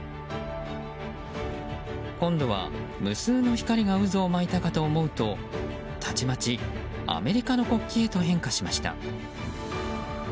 今度は無数の光が渦を巻いたかと思うとたちまちアメリカの国旗へと変化しました。